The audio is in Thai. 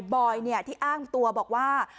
บอยเนี่ยที่อ้างตัวบอกว่า